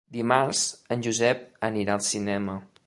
Dimarts en Josep anirà al cinema.